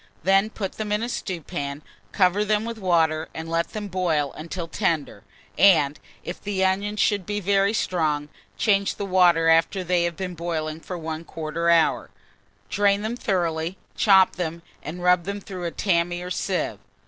Then put them in a stewpan, cover them with water, and let them boil until tender, and, if the onions should be very strong, change the water after they have been boiling for 1/4 hour. Drain them thoroughly, chop them, and rub them through a tammy or sieve.